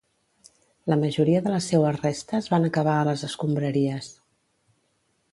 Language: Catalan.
La majoria de les seues restes van acabar a les escombraries.